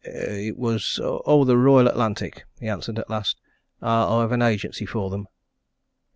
"It was oh, the Royal Atlantic!" he answered at last. "I've an agency for them."